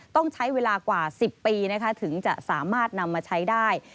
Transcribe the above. ต้องใช้เวลากว่า๑๐ปีถึงจะสามารถนำมาใช้ได้